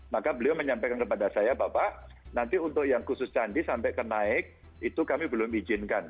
maka beliau menyampaikan kepada saya bapak nanti untuk yang khusus candi sampai ke naik itu kami belum izinkan